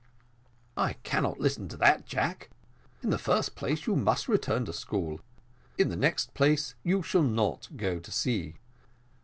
"I cannot listen to that, Jack. In the first place, you must return to school; in the next place, you shall not go to sea."